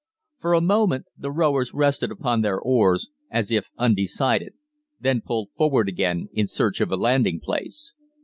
"For a moment the rowers rested upon their oars, as if undecided, then pulled forward again in search of a landing place.